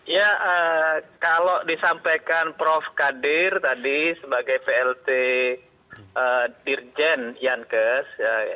ya kalau disampaikan prof kadir tadi sebagai plt dirjen yankes